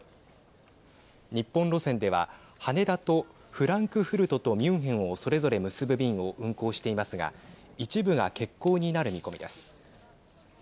日本路線では、羽田とフランクフルトとミュンヘンをそれぞれ結ぶ便を運航していますが一部が欠航になる見込みです。